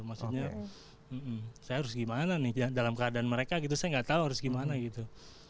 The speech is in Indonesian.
maksudnya saya harus gimana nih dalam keadaan mereka gitu saya nggak tahu harus gimana gitu